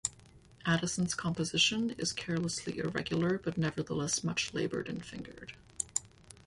Addison's composition is carelessly irregular but nevertheless much-laboured and fingered.